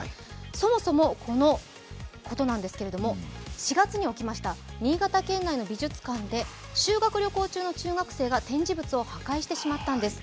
そもそもこのことなんですけれども４月に起きました新潟県内の美術館で修学旅行中の中学生が展示物を破壊してしまったんです。